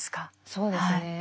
そうですね。